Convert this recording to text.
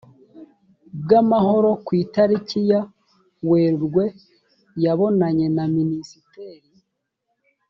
bw amahoro ku itariki ya werurwe yabonanye na minisitiri